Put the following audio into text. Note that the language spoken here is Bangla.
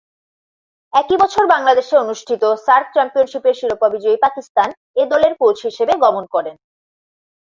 একই বছর বাংলাদেশে অনুষ্ঠিত সার্ক চ্যাম্পিয়নশীপের শিরোপা বিজয়ী পাকিস্তান এ দলের কোচ হিসেবে গমন করেন।